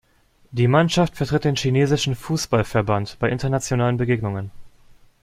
Die Mannschaft vertritt den chinesischen Fußballverband bei internationalen Begegnungen.